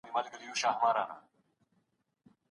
پوښتنه وکړئ چي بدترین څه کیږي.